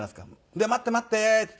で「待って待って」って。